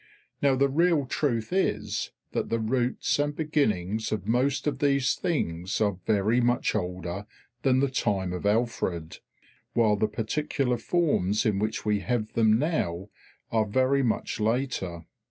Now the real truth is that the roots and beginnings of most of these things are very much older than the time of Alfred, while the particular forms in which we have them now are very much later.